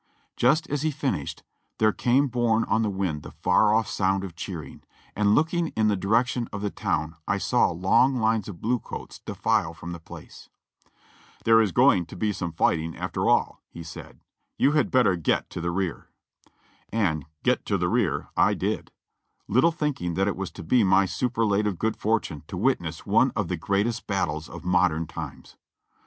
Just as he finished, there came borne on the wind the far off sound of cheering, and looking in the direction of the town I saw long lines of blue coats defile from the place. "There is going to be some fighting after all," he said; "you had better get to the rear." And "get to the rear" I did, little thinking that it was to be my superlative good fortune to witness one of the greatest battles of modern times.